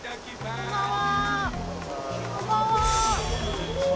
こんばんは。